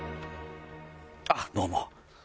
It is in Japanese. あっどうも。